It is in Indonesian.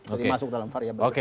jadi masuk dalam variable